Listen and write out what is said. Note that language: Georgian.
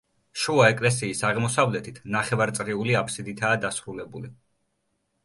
შუა ეკლესიის აღმოსავლეთით, ნახევარწრიული აფსიდითაა დასრულებული.